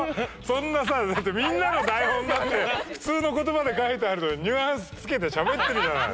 そんなさみんなの台本だって普通の言葉で書いてあるのにニュアンス付けてしゃべってるじゃない。